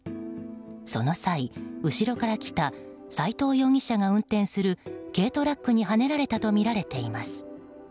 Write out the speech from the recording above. その際、後ろから来た斎藤容疑者が運転する軽トラックにはねられたとみられています。